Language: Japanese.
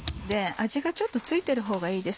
味がちょっと付いてる方がいいです。